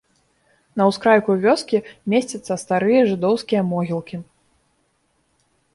На ўскрайку вёскі месцяцца старыя жыдоўскія могілкі.